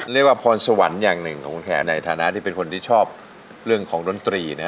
เรียกว่าพรสวรรค์อย่างหนึ่งของคุณแขกในฐานะที่เป็นคนที่ชอบเรื่องของดนตรีนะ